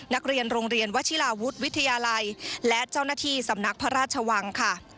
นักเรียนโรงเรียนวชิลาวุฒิวิทยาลัยและเจ้าหน้าที่สำนักพระราชวังค่ะ